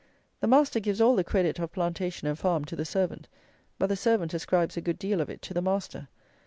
The master gives all the credit of plantation and farm to the servant; but the servant ascribes a good deal of it to the master.